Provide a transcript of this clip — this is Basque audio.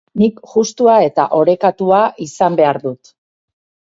Nik justua eta orekatua izan behar dut.